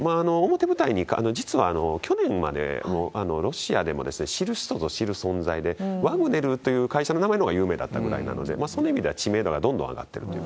表舞台に、実は去年までロシアでも知る人ぞ知る存在で、ワグネルという会社の名前のほうが有名だったぐらいで、その意味では知名度がどんどん上がっていると。